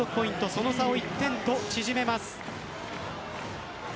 その差を１点と縮めます。